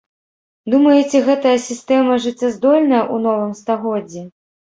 Думаеце гэтая сістэма жыццяздольная ў новым стагоддзі?